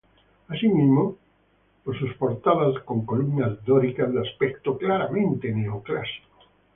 Así mismo, por sus portadas con columnas dóricas, de aspecto claramente neoclásico.